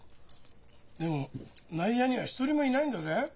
でも内野には一人もいないんだぜ。